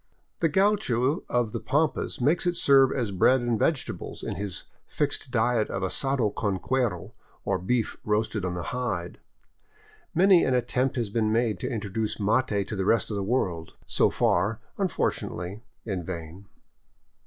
The gaucho of the pampas makes it serve as bread and vegetables in his fixed diet of asado con cuero, or beef roasted in the hide. Many an attempt has been made to introduce mate to the rest of the world, so far, unfortunately, in vain.